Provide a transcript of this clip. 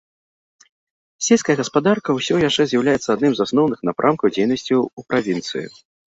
Сельская гаспадарка ўсё яшчэ з'яўляецца адным з асноўных напрамкаў дзейнасці ў правінцыі.